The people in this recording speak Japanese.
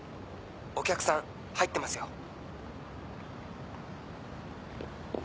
お客さん入ってますよ。